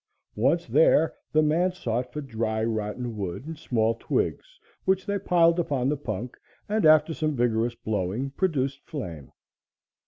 Once there, the man sought for dry, rotten wood and small twigs, which they piled upon the punk and, after some vigorous blowing, produced flame.